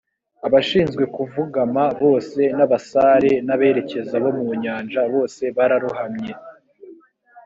abashinzwe kuvugama bose n abasare n aberekeza bo mu nyanja bose bararohamye